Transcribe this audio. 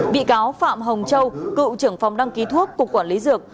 bị cáo phạm hồng châu cựu trưởng phòng đăng ký thuốc cục quản lý dược